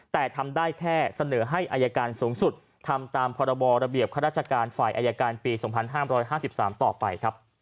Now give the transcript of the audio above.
แต่ทำได้แค่เสนอให้อายการสูงสุดทำตามพรรภฝอปี๒๕๕๓ต่อไป